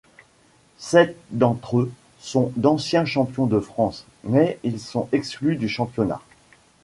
Sept d’entre eux sont d’anciens champions de France, mais ils sont exclus du championnat.